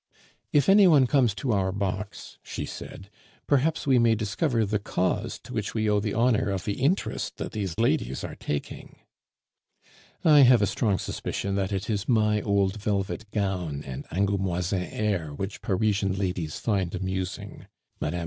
"If any one comes to our box," she said, "perhaps we may discover the cause to which we owe the honor of the interest that these ladies are taking " "I have a strong suspicion that it is my old velvet gown and Angoumoisin air which Parisian ladies find amusing," Mme.